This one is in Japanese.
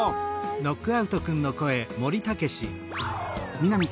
みなみさん。